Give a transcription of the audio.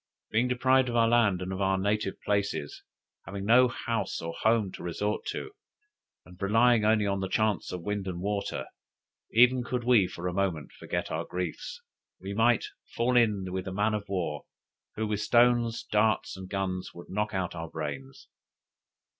Being deprived of our land and of our native places, having no house or home to resort to, and relying only on the chances of wind and water, even could we for a moment forget our griefs, we might fall in with a man of war, who with stones, darts, and guns, would knock out our brains!